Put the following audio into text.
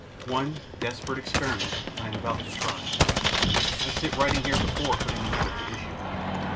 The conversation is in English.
One desperate experiment I am about to try. I sit writing here before putting the matter to issue.